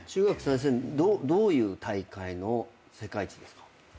どういう大会の世界一ですか？